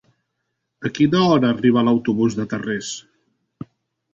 A quina hora arriba l'autobús de Tarrés?